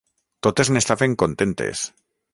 Totes n'estaven contentes.